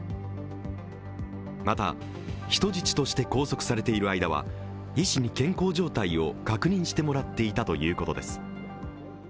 また人質として拘束されている間は医師に健康状態を確認してもらっていたということです。